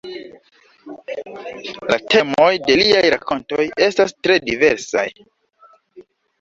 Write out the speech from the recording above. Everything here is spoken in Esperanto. La temoj de liaj rakontoj estas tre diversaj.